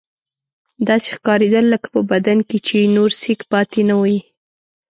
داسې ښکارېدل لکه په بدن کې چې یې نور سېک پاتې نه وي.